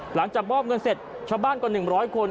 หลังจากมอบเงินเสร็จชาวบ้านกว่า๑๐๐คน